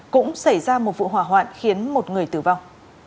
cũng xảy ra một vụ hỏa hoạn khiến một người tử vong